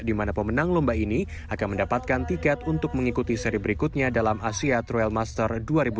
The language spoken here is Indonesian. di mana pemenang lomba ini akan mendapatkan tiket untuk mengikuti seri berikutnya dalam asia trail master dua ribu dua puluh